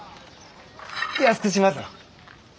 安くしますよ。